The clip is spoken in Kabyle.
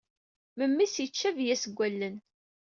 Memmi-s yettcabi-as deg wallen.